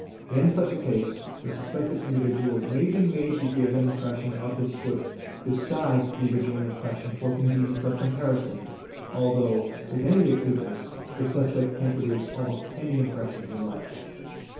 In | such a case, the suspected individual may be made to give an impression of his foot beside the original impression for convenience of comparison ; although with any acuteness the suspect can produce almost any impres sion he likes.